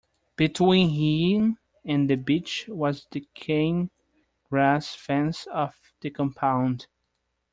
Between him and the beach was the cane-grass fence of the compound.